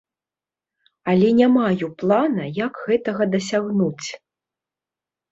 Але не маю плана, як гэтага дасягнуць.